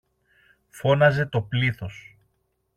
φώναζε το πλήθος.